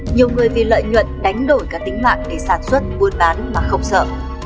nhiều người vì lợi nhuận đánh đổi cả tính mạng để sản xuất buôn bán mà không sợ